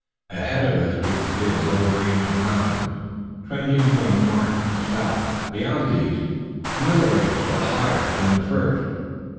Ahead of us we could see a low range of mountains, trending from north to south, and beyond these, another range still higher than the first.